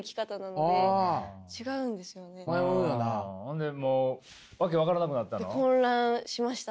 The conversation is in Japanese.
ほんでもう訳分からなくなったの？